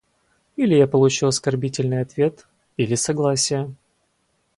Или я получу оскорбительный ответ, или согласие.